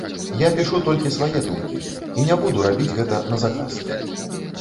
Я пішу толькі свае думкі і не буду рабіць гэта на заказ.